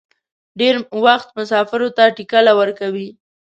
ډېر وخت مسافرو ته ټکله ورکوي.